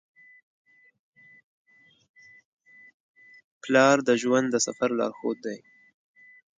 پلار د ژوند د سفر لارښود دی.